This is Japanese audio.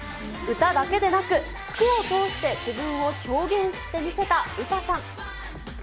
歌だけでなく、服を通して自分を表現して見せたウタさん。